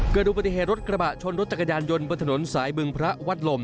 เกิดอุบัติเหตุรถกระบะชนรถจักรยานยนต์บนถนนสายบึงพระวัดลม